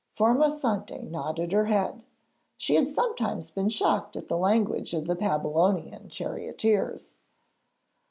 Formosante nodded her head; she had sometimes been shocked at the language of the Babylonian charioteers.